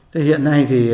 thì hiện nay thì